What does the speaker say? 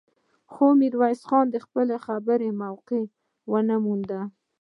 خو ميرويس خان د خبرو موقع ونه مونده.